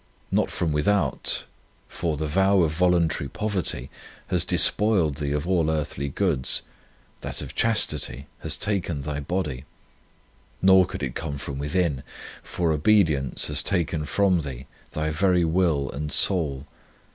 55 On Union with God from without, for the vow of voluntary poverty has despoiled thee of all earthly goods, that of chastity has taken thy body. Nor could it come from within, for obedience has taken from thee thy very will and soul.